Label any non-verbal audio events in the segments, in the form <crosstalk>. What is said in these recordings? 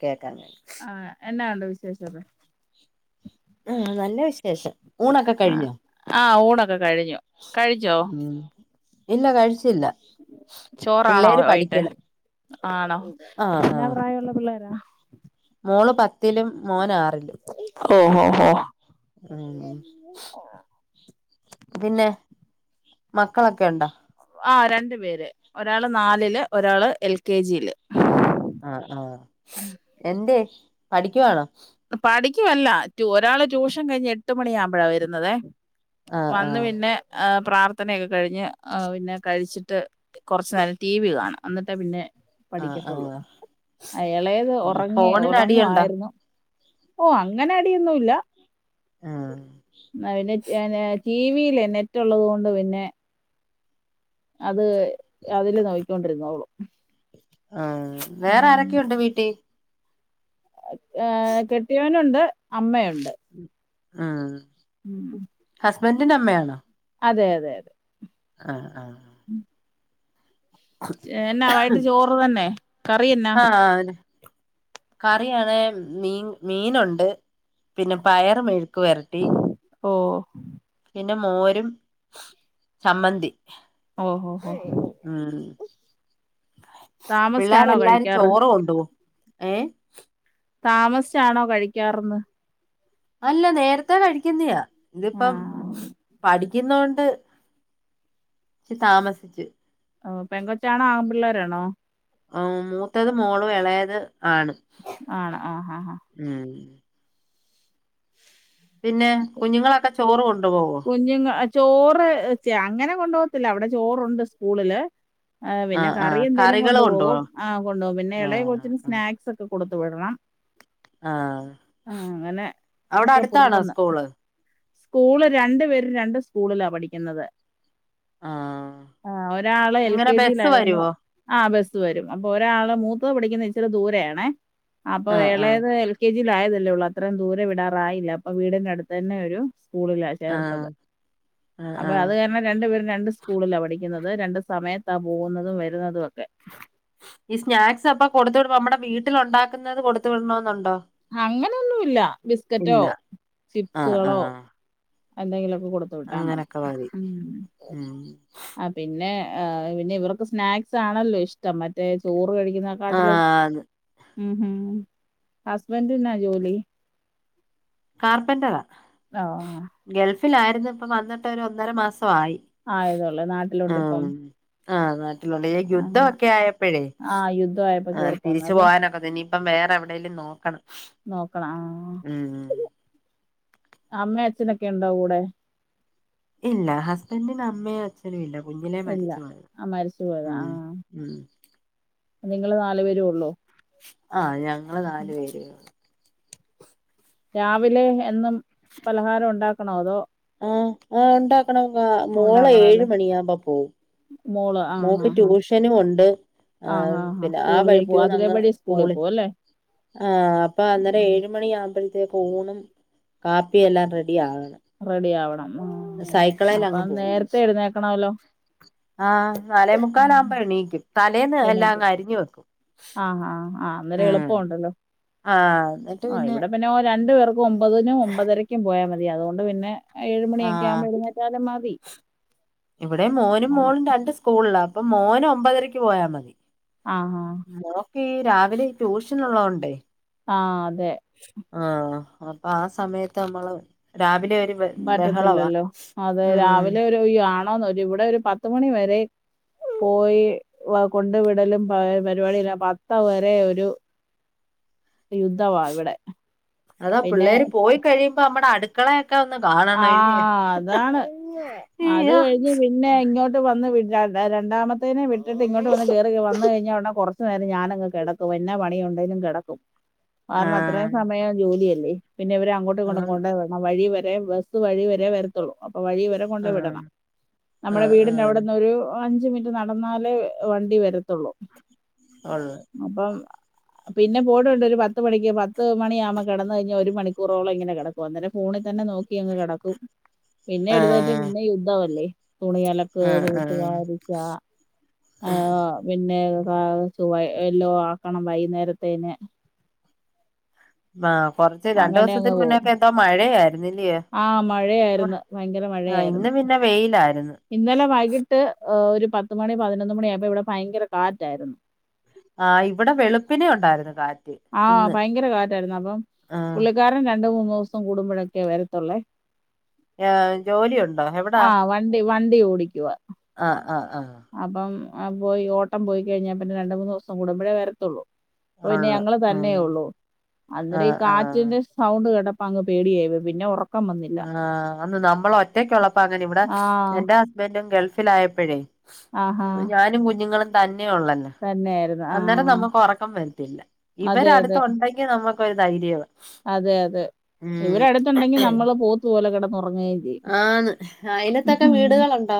കേൾക്കാം കേക്കാം ആഹ് എന്നാ ഒണ്ട് വിശേഷൊക്കെ ആഹ് നല്ല വിശേഷം ഊണൊക്കെ ആഹ് കഴിഞ്ഞോ ആഹ് ഊണൊക്കെ കഴിഞ്ഞു കഴിച്ചോ ഇല്ല കഴിച്ച ചോറാണോ വൈകിട്ട് പഠിക്കണ് ആണോ ആഹ് എന്നാ പ്രായമുള്ള പിള്ളേരാ മോൾ പത്തിലും മോൻ ആറിലും ഓഹ് ഓഹ് ഓഹ് ഉം പിന്നെ മക്കളൊക്കെ ഉണ്ടോ ആഹ് രണ്ട് പേര് ഒരാള് നാലില് ഒരാള് എൽകെജിയിൽ ആഹ് ആഹ് എന്തേ പഠിക്കുവാണോ പടി ക്കുവല്ല ഒരാള് ട്യൂഷൻ കഴിഞ്ഞ് എട്ട് മണിയാമ്പഴാ വരുന്നതെ ആഹ് വന്ന് ആഹ് പിന്നെ പ്രാർത്ഥനയൊക്കെ കഴിഞ്ഞ് പിന്നെ കഴിച്ചിട്ട് കൊർച്ച് നേരം ടിവി കാണാം. എന്നിട്ട് പിന്നെ ആഹ് പഠിക്കത്തുള്ളൂ. ആഹ് ആ എളേത് ഉം ഒറങ്ങി ഫോണിന് അടിയുണ്ടോ ഒറങ്ങുവായ്രുന്നു. ഓ അങ്ങനെ അടിയൊന്നുല്ല. ഉം <unintelligible> ടിവിയിലെ നെറ്റ് ഉള്ളത് കൊണ്ട് പിന്നെ അത് അതില് നോക്കിക്കൊണ്ടിരുന്നോളും ആ വേറെ ആരൊക്കെയുണ്ട് വീട്ടി? ഏ കെട്ടിയവനുണ്ട്. അമ്മയു ണ്ട്. ആഹ്. ഉം. ഹസ്ബന്റിന്റെ അമ്മയാണോ? അതെ അതെ അതെ. ആ ആ ഉം എന്നാ വൈട്ട് ചോറ് തന്നെ കറിഎന്നാ കറിയാണ് മീൻ മീനുണ്ട് പിന്നെ പയറ് മെഴുക്ക് വരട്ടി ഓ പിന്നെ മോരും ചമ്മന്തി ഓഹോ ഹോ ഉം പിള്ളേരെ താമസിച്ചാണോ എല്ലാരും കഴിക്കാറ് ചോറ് കൊണ്ടു പോവും ഏ താമസിച്ചാണോ കഴിക്കാർന്ന് അല്ല നേരത്തെ കഴിക്കുന്നയാ ഇതിപ്പം ആഹ് പഠി ക്കുന്നോണ്ട് താമസിച്ച് ഓ പെങ്കോച്ചാണോ ആമ്പിള്ളേരാണോ ആ മൂത്തത് മോള് ഇളയത് ആണ് ആണ് ആഹ് ആഹ് ആഹ് ഉം പിന്നെ കുഞ്ഞുങ്ങളൊക്കെ ചോറും കൊണ്ട് കുഞ്ഞുങ്ങ ചോറ് ചെ അങ്ങനെ കൊണ്ടു പോകത്തില്ല അവിടെ ചോറുണ്ട് സ്കൂളില് ആ പിന്നെ ആഹ് കറി ആഹ് എന്തേലും കറികള് കൊണ്ടു പോകും കൊണ്ടുപോവോ ആ കൊണ്ട് പോകും പിന്നെ ഇളയെ ആഹ് കൊച്ചിന് സ്നാക്സ് ഒക്കെ കൊടുത്ത് വിടണം ആ ആഹ് അങ്ങനെ അവിടെ അടുത്താണോ സ്കൂള് സ്കൂൾ രണ്ടു പേരും രണ്ട് സ്കൂളിലാ പഠിക്കുന്നത് ആഹ് ആ ഒരാള് എൽ എങ്ങനെ കെ ബസ്സ് ജിയിലായിരുന്നു വരുവോ ആ ബസ് വരും അപ്പൊ ഒരാള് മൂത്ത പഠിക്കുന്നത് ഇച്ചിരി ദൂരെ ആണേ അപ്പൊ ആഹ് എ ആഹ് ളയത് എൽ കെ ജി ജി ആയതല്ലേ ഉള്ളൂ അത്രയും ദൂരെ വിടാറായില്ല അപ്പൊ വീടിന്റെ അടുത്ത് തന്നെ ഒരു സ്കൂള ആഹ് ചേർത്തത് ആഹ് അപ്പൊ ആഹ് അത് കാരണം രണ്ട് പേരും രണ്ട് സ്കൂളിലാണ് പഠിക്ക രണ്ട് സമയത്താ പോകുന്നതും വരുന്നതും ഒക്കെ ഈ സ്നാക്സ് അപ്പൊ കൊടുത്ത് വിടുമ്പൊ മ്മടെ വീട്ടിൽ ഉണ്ടാക്കുന്നത് കൊടുത്ത് വിടണെന്നുണ്ടോ അങ്ങനെയൊന്നു ഇല്ല ബിസ്കറ്റോ ആഹ് ചിപ്സുകളോ ആഹ് എന്തെങ്കിലും കൊടുത്ത് വിട്ടാ മതി ഉം ആ പിന്നെ ആ പിന്നെ ഇവർക്ക് സ്നാക്സ് ആണല്ലോ ഇഷ്ടം മറ്റേ ചോറ് കഴി ആ അത് ഉം മ് ഹസ്ബൻഡ്ന്നാ ജോലി കാർപെന്ററാ ആ ആ ഇലാര്ന്നിപ്പ വന്നിട്ട് ഒരു ഒന്നര മാസം ആയതൊള്ളെ നാട്ടിലൊണ്ടിപ്പം ആ നാ <unintelligible> യുദ്ധവൊക്കെ ആയപ്പഴേ ആഹ് യുദ്ധമായപ്പോ ആ കേറിപ്പോന്നു തിരിച്ചു അല്ലേ പോകാനൊക്ക ഇനി ഇപ്പം വേ എവിടേലും നോക്കണം നോക്കണം ആ ഉം അമ്മെ അച്ഛനൊക്കെ ഇണ്ടോ കൂടെ ഇല്ല ഹസ്ബന്റിന് അമ്മയു അച്ഛനുല്ല കുഞ്ഞിലെ ഇല്ല മരിച്ചു പോയത ആഹ് മരിച്ചു പോയതാ ഉം ആഹ് ഉം നിങ്ങള് നാല് പേരൊ ഒള്ളോ ആ ഞ ങ്ങള് നാല് പേര് രാവിലെ എന്നും പലഹാരം ഉണ്ടാക്കണോ അതോ ആ അ ഒണ്ടാക്കണം മോളെ ഉണ്ടാക്കണം ഏഴ് അല്ലേ മണിയാവ്മ്പോ പോവും മോള് ആഹ് മോക്ക് ആഹ് ആഹ് ട്യൂഷനുവൊണ്ട് അ ആഹ് ആഹ് ആഹ് പിന്നെ ആ സ്കൂളില് പോവും വഴിക്കൂന്ന് അതിലെ അങ്ങ് വഴി സ്കൂളിൽ സ്കൂളി പോവും അല്ലേ ആ അപ്പൊ അന്നേരം ഏഴ് മണിയാവുമ്പേ ത്തേക്ക് ഊണും കാപ്പിയെല്ലാം റെ യാണ് റെഡി ആവണം ആഹ് സൈ‌ക്കിളേലങ്ങ് അപ്പം പോകും നേരത്തെ എഴുന്നേക്കണല്ലോ ആ നാലേ മുക്കാലാവ്മ്പോ എണീക്കും തലേന്ന് എല്ലാ അങ്ങ് അരിഞ്ഞു വെക്കും ആ ആ ആ അന്നേരം ഉം എളുപ്പൊണ്ടല്ലോ ആഹ് എന്നിട്ട് ഓ ഇവിടെ പിന്നെ രണ്ടു പേർ ക്കു ഒമ്പതിനും ഒമ്പതരക്കും പോയാ മ അത്കൊണ്ട് പിന്നെ ഏഴ് ആ മണിയൊക്കെ ആകുമ്പോൾ എഴുന്നേറ്റാലും മതി ഇവിടെ മോനും നമ്മ- മോളും രണ്ട് സ്കൂൾളാ പ്പം മോന് ഒമ്പതരക്ക് പോയാ മതി ആ ആ മോക്കേ രാവിലെ ട്യൂഷനൊള്ളോണ്ടേ ആ അതെ ആ അപ്പാ ആ സമയത്ത് നമ്മള് രാവി പറ്റത്തില്ലല്ലോ അതെ ഉം രാവിലെ ഒരു യാ ഒരു ഇവിടെ ഒരു പത്തുമണി വരെ പോയി വ കൊണ്ട് വിടലും പ പരിപാടില്ല പത്ത് വരെ ഒരു യുദ്ധമാ ഇവിടെ അതാ പിള്ളേര് പോയി കഴിയുമ്പോ നമ്മടെ അട് കളെ ആഹ് അതാണ് അത് അയ്യോ കഴിഞ്ഞ് പിന്നെ ഇങ്ങോട്ട് വന്ന് വി രണ്ടാമത്തേനെ വിട്ടിട്ട് ഇങ്ങോട്ട് വന്ന് കേറി വന്ന് കഴിഞ്ഞ ഒട കൊർച്ചു നേരം ഞാനങ്ങ് കെടക്കും. എന്നാ പണിയുണ്ടേലും കെടക്കും. കാരണം അത്രയും ആഹ് സമയം ജോലിയ പിന്നെ ഇവരെ അങ്ങോട്ടുംഇങ്ങോട്ടും ആഹ് കൊണ്ടോ വരണം വഴി വ <unintelligible> സ് വഴി വരെ വരത്തുള്ളൂ അ പ്പൊ വഴി വരെ കൊണ്ട് ആഹ് വിടണം നമ്മുടെ ആഹ് വീടിന്റെ ആഹ് അവിടന്ന് ഒരു അഞ്ച് മിനിറ്റ് നട ന്നാലേ വണ്ടി വരത്തുള്ളൂ ഒള്ള് അപ്പം പിന്നെ പോടുണ്ട് ഒരു പത്ത് മണിക്ക് പത്ത് മണിയാമ്പോ കെടന്ന് കഴിഞ്ഞാ ഒരു മണികൂറോളങ്ങനെകെടക്കും അന്നേരം ഫോണിൽ തന്നെ നോ ക്കി അങ് കെടക്കും പിന്നെ എടുതെട്ട് ആഹ് പിന്നെ യുദ്ധവല്ലേ തുണിയലക്ക് ആഹ് ആഹ് തൂത്ത്വരിച്ച ആ പിന്നെ <unintelligible> ചുവ എല്ലോ ക്കണം വൈന്നേരത്തേന <unintelligible> കൊറച്ച് രണ്ടോസത്തിന് മുന്നേക്കെ എന്തോ മഴ ആാരുന്നില്ലിയോ ആ മഴയായിരുന്നു ഭയങ്കര ആ മഴയായിരുന്നു ഇന്ന് പിന്നെ വെയിലാര്ന്ന് ഇന്നലെ വൈകിട്ട് ഹ് ഒരു പത്ത മണി പതിനൊന്ന് മണിയപ്പോ ഇവിടെ ഭയങ്കര കാറ്റായിരുന്നു ആ ഇവിടെ വെളുപ്പിനെ ഉണ്ടായിരുന്നു കാറ്റ് ആ ഇന്ന് ഭയങ്കര കാറ്റായിരുന്നു അപ്പം ആഹ് പുള്ളിക്കാരൻ രണ്ടണ്ട് മൂന്നു ദിവസം കൂടുമ്പോഴൊക്കെ വരത്തുള്ളേ ഏഹ് ജോലിയുണ്ടോ എവിടാ ആ വണ്ടി വണ്ടി ഓടിക്കവാ ആഹ് ആഹ് ആഹ് അപ്പം പോയി ഓട്ടം പോയി കഴിഞ്ഞാ പിന്നെ രണ്ട മൂന്ന് ദിവസം കൂടുമ്പഴേ വരത്തുള്ളൂ അപ്പം പിന്നെ ഒള്ള് ഞങ്ങള് ഉം തന്നെ ഉള്ളൂ അന്നിരം ഈ ആഹ് ആഹ് കാറ്റിന്റെ സൗണ്ട് കേട്ട അങ്ങ് പേടിയായി പിന്നെ ഒറെ ആ അന്ന് നമ്മള ഒറ്റക്ക ഉള്ളപ്പ അങ്ങനെ ഇവിടെ ആ. എന്റെ ഹസ്ബൻറും ഗൾഫ ഫിലായപ്പെഴ് ആഹാ. ഉം ഞാനും കുഞ്ഞുങ്ങളും നെ ഒള്ളന്നെ തന്നെയായിരുന്നു. ആ. അന്നേരം നമുക്ക് ഉറക്കം വരത്തില്ല ഇവര അതെ, അടുത്ത അതെ. ഉണ്ടെങ്കിൽ ന നമ്മക്കൊരു ധൈര്യവാ അതെ അതെ ഉം ഇവര് അടുത്തുണ്ടെങ്കി നമ്മള് പോത്ത്പോലെ കിട ന്നുറങ്ങുകയും ചെയ്യും ആന്ന് അയലത്തൊക്കെ വീടുകളുണ്ടോ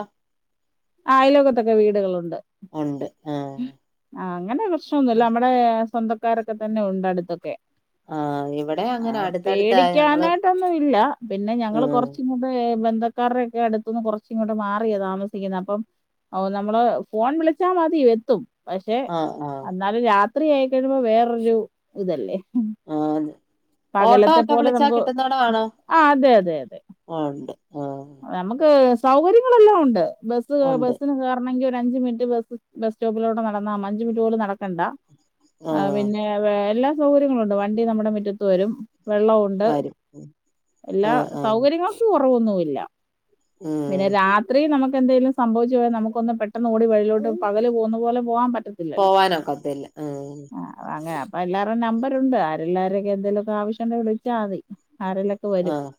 അയലക്കത്തൊക്കെ വീടുകളുണ്ട് ഉണ്ട് ആഹ് ആ അങ്ങനെ പ്രശ്നൊന്നുമല്ല നമ്മടെ സ്വന്തക്കാരൊക്കെ തന്നെ ഉണ്ട് അടുത്തൊക്കെ ആ ആ പേടിക്കാനായിട്ടൊന്നും ഇല്ല പിന്നെ ഞങ്ങള് ഉം കൊറച്ച് ഇങ്ങട് ബന്ധ ക്കാരുടെ ഒക്കെ അടുത്തുന്ന് കുറച്ച് ഇങ്ങോട്ട് മാറിയ താമസിക്കുന്നെ അപ്പം നമ്മള് ഫോൺ വിളിച്ചാൽ മതി എത്തും പക്ഷെ ആഹ് ആഹ് എന്നാലും രാ ത്രി ആയി കഴിയുമ്പോ വേറൊരു ഇതല്ലേ ആ അതെ പകലത്തെ പോലെ നമുക്ക് ആ അതെ അതെ അതെ ഉണ്ട് ആഹ് നമുക്ക് സൗകര്യങ്ങളെല്ലാം ഉണ്ട് ബസ് ഉണ്ട് ബസിന് കേറണമെങ്കി ഒരു അഞ്ച് മിനിറ്റ് ബസ് ബസ് സ്റ്റോപ്പിലോട്ട് നടന്നാ മ അഞ്ച് മിനിറ്റ് പോലും നട ക്കണ്ട ആഹ് പിന്നെ വെല്ല സൗകര്യങ്ങളുണ്ട് വണ്ടി നമ്മുടെ മുറ്റത്ത് വരും വെള്ളമുണ്ട് വരും എല്ലാ ആഹ് ആഹ് സൗകര്യങ്ങൾക്ക്‌ കുറവൊന്നുമില്ല പിന്നെ ഉം രാത്രി നമുക്ക് ക്കെന്തേലും സംവിച്ച് പോയാ നമുക്ക് ഒന്ന് പെട്ടന്ന് ഓടി വെളിലോട്ട് പകല് പോന്ന പോലെ പോവാൻ പറ്റ ത്തില്ലല്ലോ പോവാനൊക്കത്തില്ല ഉം അഹ് അങ്ങ് അപ്പം എല്ലാരേം നമ്പ റുണ്ട് ആരെല്ലാരൊക്കെ എന്തേലൊക്കെ ആവശ്യമുണ്ടെ വിളിച്ചാൽ മതി ആരേലൊക്കെ വരും ആഹ്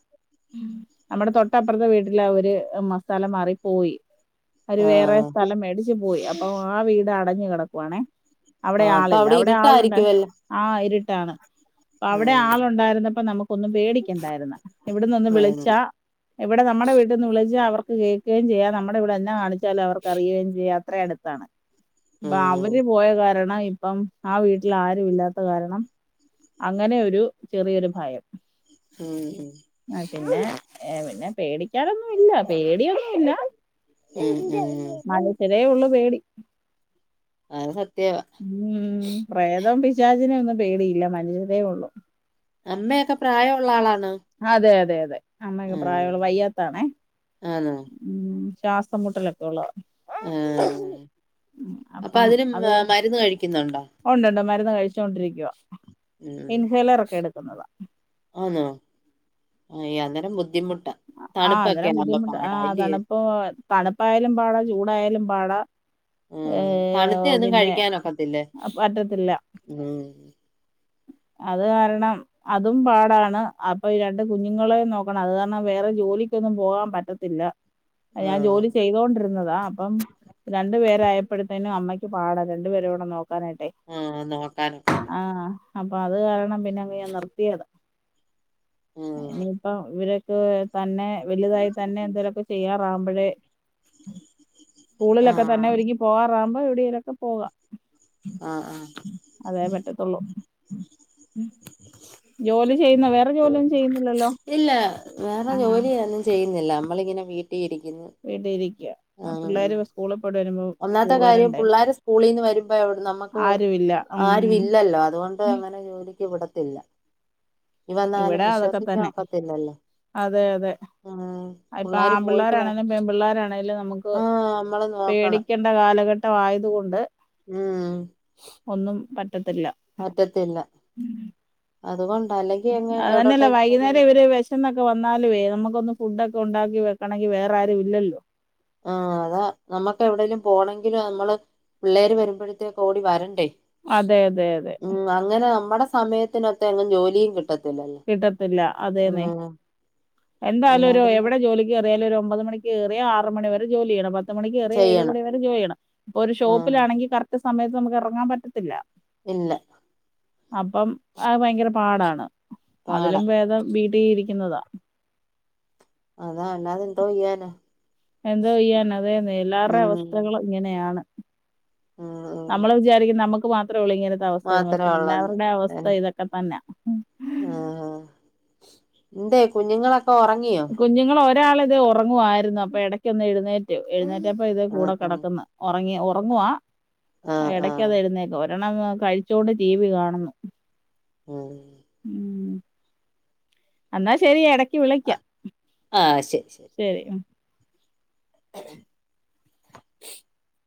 നമ്മുടെ തൊട്ട ട്ടപ്പുറത്തെ വീട്ടിൽ അവര് മ സലം മാറി പോയി അവര് വേറെ ആഹ് സ്ഥലം മേടിച്ച് ച്ച് പോയി അപ്പൊ ആ വീട് അടഞ്ഞു കിടക്കുവാണേ അവിടെ ആഹ് അപ്പൊ ആളില്ല അവിടെ ആളുണ്ട് ഇരുട്ടായിരിക്കുവല്ലോ ആ ഇരു ട്ടാണ് അപ്പൊ അവിടെ ഉം ആളുണ്ടായിരുന്നപ്പ നമുക്ക് ഒന്നും പേടിക്കണ്ടായിരുന്ന് ഇവിടന്ന് ഒന്ന് വേണ്ട വിളിച്ചാ ഇവിടെ നമ്മുടെ വീട്ടിന്ന് വിളിച്ചാ അവർക്ക് കേൾക്കുകയും ചെയ്യാം നമ്മുടെ ഇവിടെ എന്നാ കാണിച്ച ചാലും അവർക്ക് അറിയുകയും ചെയ്യാം അത്ര അടുത്താണ് വ ഉം അവന് പോയ കാരണം ണം ഇപ്പം ആ വീട്ടിൽ ആരുും ഇല്ലാത്ത കാരണം അങ്ങനെ ഒരു ചെറിയൊരു ഭയം ഉം ആ, പിന്നെ ഏ പിന്നെ പേടിക്കാനൊന്നും ഇല്ല പേടിയൊന്നുല്ല ഉം ഉം <unintelligible> അതേ ഉള്ളു പേടി അത് സത്യവാ ജാജിനെ ഒന്നും പേടിയില്ല <unintelligible> ഉള്ളൂ അമ്മയൊക്കെ പ്രായമുള്ള ആളാണ് അതെ അതെ അതെ അമ്മക്ക് പ്രായമുള്ള ഉം വയ്യാത്താണേ ആന്നോ ഉ ശ്വാസം മുട്ടലൊക്കെ ഉള്ളതാ ആ ഉം അപ്പൊ അപ്പം അതിനു മരുന്ന് കഴിക്കുന്നുണ്ടോ <unintelligible> ചോണ്ടിരിക്കുവ ഇൻഹേലർ ഒക്കെ ട് ന്നത ആണോ അയ് അങ്ങനെ ബുദ്ധിമുട്ട് ആഹ് അന്നേരം ബുദ്ധിമുട്ട് ആഹ് തണപ്പ തണുപ്പായാലും പാടാ ചൂടായാലും പാടാ ഉ ഏ തണുത്തി ഒന്നും പിന്നെ കഴിക്കാനൊക്കത്തില്ലേ പറ്റത്തില്ല ഉം അത് കാരണം അതും പാടാണ് അപ്പൊ ഈ രണ്ട് കുഞ്ഞുങ്ങളെയ നോക്കണം അത് കാരണം വേറെ ജോലിക്കൊന്നും പോകാൻ പറ്റത്തില്ല ഞാൻ ആഹ് ജോലി ചെയ്തോണ്ടിരുന്നതാ അപ്പം രണ്ടു പേരായപ്പോഴ അച്ഛനും അമ്മക്ക് പാ. ടാ രണ്ട നോക്ക. ആഹ നോക്കാനൊ അപ്പൊ അത് കാരണം പിന്നെ അങ് ഞാൻ നിർത്തിയതാ ഉം നിഇപ്പ വിര് ക്ക് തന്നെ വലുതായി തന്നെ എന്തെേലുമൊക്കെ ചെയ്യാറാകുമ്പോഴേ സ്കൂളിലൊക്കെ തന്നെ ആഹ് ഒരുങ്ങി പോവാ പമ്പ ഇവിടെലു ഒക്കെ പോകാം ആഹ് ആഹ് അതേ പറ്റത്തുള്ളൂ ജോലി ചെയ്യുന്ന വേറെ ജോലിയൊന്നും ചെയ്യുന്നില്ലല്ലോ ഇല്ല വേറെ ജോലി ന്നും ചെയ്യുന്നില്ല നമ്മളിങ്ങനെ വീട് വീട്ടിൽ ഇരിക്ക ആഹ് പിള്ളെര് സ്കൂളിൽ പ ഒന്നാമ്ത്തെ കാര്യം പുള്ളാര് സ്കൂളിൽന്ന് വരുമ്പോ നമ്മക്ക് ആരുമില്ല ഉം ആരും ഇല്ലല്ലോ അതുകോണ്ട് അങ്ങനെ ജോലി ക്ക് വിടത്തില്ല ഇനി വന്നാലും ഇവിടെ അതോക്കെ വിശ്വസിക്കാൻ തന്നെ ഒക്കത്തില്ലല്ലോ അതെ അതെ ഉം ഇപ്പോ പിള്ളേര് ആമ്പിള്ളെർ പോയിട്ട് വ ആണെലും പെൺപിള്ളാരാണെലും നമ്മക്ക് ആ നമ്മള് പെടിക്കണ്ട കാലം കാലഘട്ട ആയതുകോണ്ട് ഉംഹ് റ്റത്തില്ല പറ്റത്തില്ല അതുകോണ്ട് അതന്നെയല്ലെ വൈകുന്നേരം ഇവര് വെശന്നോക്കെ വന്നാൽ വേഗം നമ്മക്കോന്ന് ഫുഡൊക്കെ ഉണ്ടാക്കി വെക്കെണെങ്കിൽ വെറെ ആരും ഇല്ലല്ലോ ആ അതാ നമ്മക്ക് എവിടെലും പോണങ്കിൽ നമ്മള് പിള്ളെര് വരുമ്പോഴത്തെക്ക് ഓടി വരണ്ടെ അതെ അതെ അതെ നമ്മടെ സമയത്തിനോത്ത എങ്ങും ജോലിയും കിട്ടും കിട്ടത്തില്ല അതന്നെ എന്താലും ഒര് അല്ലാതെ എവിടെ ജോലിക്ക്റിയാലരു ഒമ്പത് മണിക്ക് കേറിയ ആറ് മണി വരെ ജോലിചെയ്യണം പത് പത്ത് മണികെറിയ ഏഴ് ചെയ്യണം മണിവരെ ജോലി ചെയ്യണം പ്പൊ ഒരു ഉം ഷോപ്പിലാണെങ്കിൽ കറക്റ്റ് സ സമയത്ത് നമ്മക്ക് എറങ്ങാൻ പറ്റത്തില്ല ഇല്ല അപ്പം ആ ഭയങ്കര പാടാണ് പാട അതിലും വേദം വീ ട്ടീരിക്ക്ന്നതാ അതാ എല്ലാതെന്തോചെയ്യനാ എന്തൊ ചെയ്യാന അതെന്നെ എല്ലാവരുടെ അവസ്ഥകളും ഇങ്ങനെയാണ് ഉം ഉം നമ്മൾ വിചാരിക്കും നമ്മക്ക് നമുക്ക് മാത്രം ളി <unintelligible> ഇങ്ങനത്തെ അവസ്ഥയായിരുന്നു മാത്രേ പക്ഷെ ഉള്ളന്ന് എല്ലാവരുടെ അവസ്ഥ ഇതോക്കെ തന്നെയാ ആഹ് ആഹ്ആ എന്തെ കുഞ്ഞുങ്ങളെകേ ക്കെ ഉറങ്ങിയോ ഒരാൾ ഇതെ ഉറങ്ങുവായിരുന്നു അപ്പോ എടക്ക് ഒന്ന് എഴുന്നേറ്റ് എഴുന്നേറ്റ ഇപ്പോ ഇതെ കൂടെ ആഹ് ആഹ് കിടക്കുന്ന് ഒ ഉറങ്ങിയോ ഉറങ്ങുവാ ആ ആഹ് എടയ്ക്ക് ആഹ് അത് എഴുന്നേക്ക് വൻ ഒരെണ്ണം കഴിച്ചൊണ്ട് ടിവി കാണുന്നു ആ ഉം എന്നാ ശെരി എടക് ആ ആ ശെരി ശെരി ശരി <unintelligible>